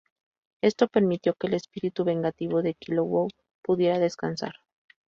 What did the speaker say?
Esto permitió que el espíritu vengativo de Kilowog pudiera descansar.